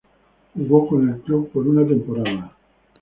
Jugo con el club por una temporada.